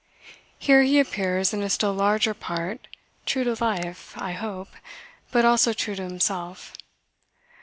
Here he appears in a still larger part, true to life (I hope), but also true to himself.